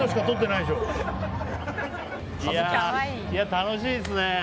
楽しいっすね！